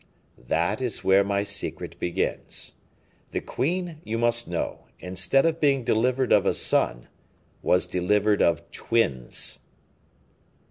"That is where my secret begins. The queen, you must know, instead of being delivered of a son, was delivered of twins."